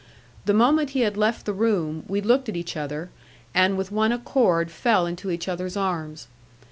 The moment he had left the room we looked at each other, and with one accord fell into each other's arms.